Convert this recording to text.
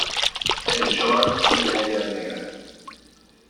El short y medias negras.